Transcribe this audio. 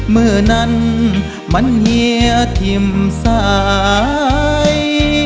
เมื่อนั้นมันเฮียทิมสาย